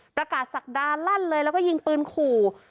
ศักดาลั่นเลยแล้วก็ยิงปืนขู่